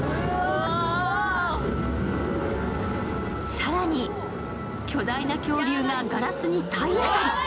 更に巨大な恐竜がガラスに体当たり。